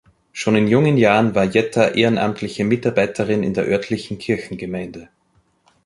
Schon in jungen Jahren war Jetter ehrenamtliche Mitarbeiterin in der örtlichen Kirchengemeinde.